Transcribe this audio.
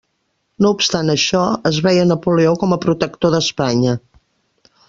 No obstant això, es veia Napoleó com a protector d'Espanya.